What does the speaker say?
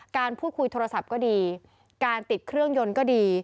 การพูดคุยโทรศัพท์ก็ดีการติดเครื่องยนต์ก็ดี